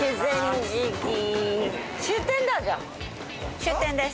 終点です。